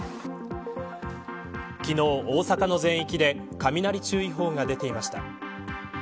昨日、大阪の全域で雷注意報が出ていました。